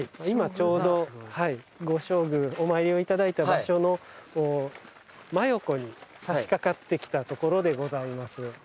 今ちょうどご正宮お参りをいただいた場所の真横に差しかかってきたところでございます。